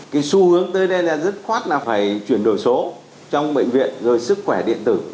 cái xu hướng tới đây là dứt khoát là phải chuyển đổi số trong bệnh viện rồi sức khỏe điện tử